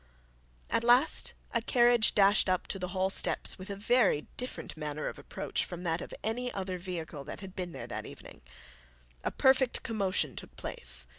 At last a carriage dashed up to the hall steps with a very different manner of approach from that of any other vehicle that had been there that evening. A perfect commotion took place.